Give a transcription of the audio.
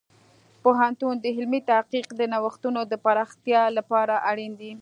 پوهنتون د علمي تحقیق د نوښتونو د پراختیا لپاره اړین دی.